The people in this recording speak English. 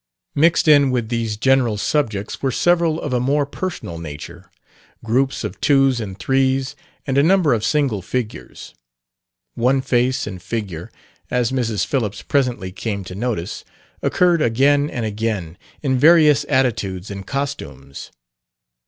Mixed in with these general subjects were several of a more personal nature: groups of twos and threes, and a number of single figures. One face and figure, as Mrs. Phillips presently came to notice, occurred again and again, in various attitudes and costumes.